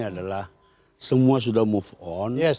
adalah semua sudah move on